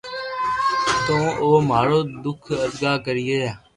تو او مارو دوک ارگا ڪرئي